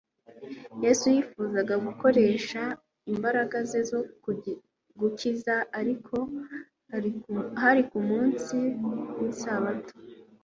Yesu yifuzaga gukoresha imbaraga ze zo gukiza, ariko hari ku munsi w'isabato.